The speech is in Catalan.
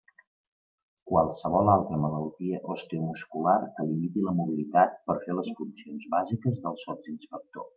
Qualsevol altra malaltia osteomuscular que limiti la mobilitat per fer les funcions bàsiques del sotsinspector.